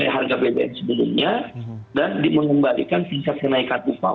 harga bbm sebelumnya dan mengembalikan tingkat kenaikan upah